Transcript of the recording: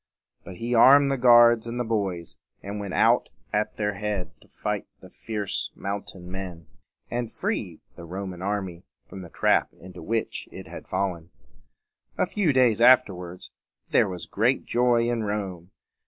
But he armed the guards and the boys, and went out at their head to fight the fierce mountain men, and free the Roman army from the trap into which it had fallen. A few days afterward there was great joy in Rome.